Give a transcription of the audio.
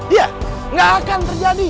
iya gak akan terjadi